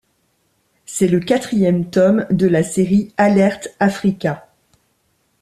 C'est le quatrième tome de la série Alerte Africa.